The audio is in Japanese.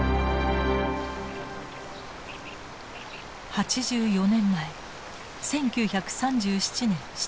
８４年前１９３７年７月７日。